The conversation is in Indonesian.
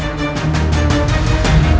kau tidak usah memberitah